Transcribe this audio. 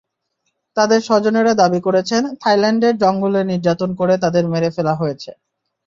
তাঁদের স্বজনেরা দাবি করেছেন, থাইল্যান্ডের জঙ্গলে নির্যাতন করে তাঁদের মেরে ফেলা হয়েছে।